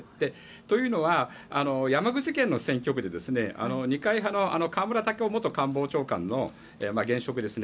というのは、山口県の選挙で二階派の河村元官房長官の現職ですね。